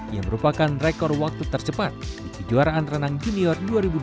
yang merupakan rekor waktu tercepat di kejuaraan renang junior dua ribu dua puluh